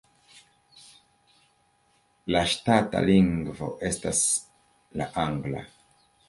La ŝtata lingvo estas la angla.